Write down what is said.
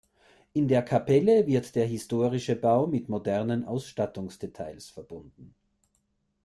In der Kapelle wird der historische Bau mit modernen Ausstattungsdetails verbunden.